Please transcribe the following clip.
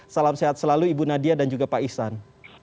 salam sehat selalu ibu nadia dan juga pak ihsan